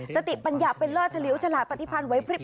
สติปัญญาเป็นเลิศเฉลิวฉลาดปฏิพันธ์ไว้พริบ